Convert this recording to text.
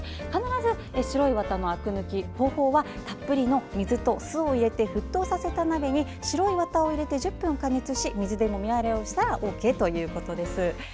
必ず白いワタのあく抜き方法はたっぷりの水を酢を入れて沸騰させた鍋に白いワタを入れて１０分加熱し水でもみ洗いをしたらＯＫということです。